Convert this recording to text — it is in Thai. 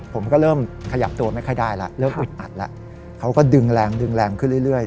ผมก็เริ่มขยับตัวไม่ค่อยได้แล้วเริ่มอึดอัดแล้วเขาก็ดึงแรงดึงแรงขึ้นเรื่อย